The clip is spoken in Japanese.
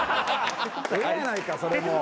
ええやないかそれも。